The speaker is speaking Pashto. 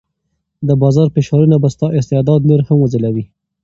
د بازار فشارونه به ستا استعداد نور هم وځلوي.